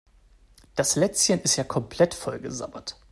Das Lätzchen ist ja komplett vollgesabbert.